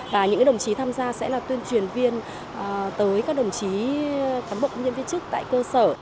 và những đồng chí tham gia sẽ là tuyên truyền viên tới các đồng chí cán bộ công nhân viên chức tại cơ sở